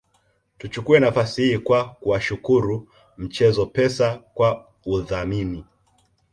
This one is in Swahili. Tuchukue nafasi hii kwa kuwashukuru mchezo Pesa kwa udhamini